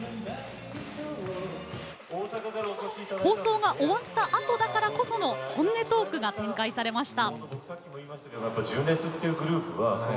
放送が終わったあとだからこその本音トークが展開されました。